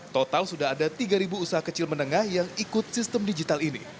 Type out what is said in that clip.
total sudah ada tiga usaha kecil menengah yang ikut sistem digital ini